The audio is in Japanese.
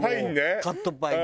カットパインね！